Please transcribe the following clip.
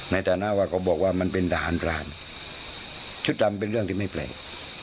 ในฐานะว่าเขาบอกว่ามันเป็นทหารพรานชุดดำเป็นเรื่องที่ไม่แปลก